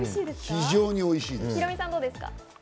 非常においしいです。